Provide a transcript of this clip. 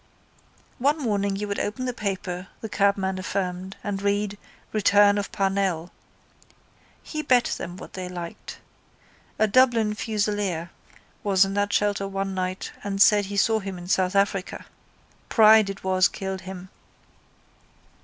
One morning you would open the paper, the cabman affirmed, and read: Return of Parnell. He bet them what they liked. A Dublin fusilier was in that shelter one night and said he saw him in South Africa. Pride it was killed him.